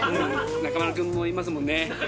中丸君もいますもんね。